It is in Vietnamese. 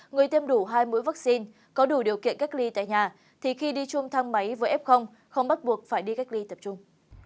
người tiêm đủ hai mũi vaccine có đủ điều kiện cách ly tại nhà thì khi đi chung thang máy với f không bắt buộc phải đi cách ly tập trung